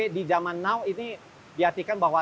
di zaman now ini diartikan bahwa